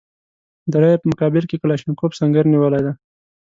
د رایې په مقابل کې کلاشینکوف سنګر نیولی دی.